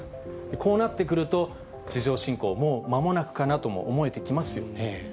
こうなってくると、地上侵攻も、もう間もなくかなと思えてきますよね。